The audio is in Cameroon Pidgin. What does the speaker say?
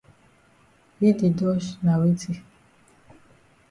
Yi di dodge na weti?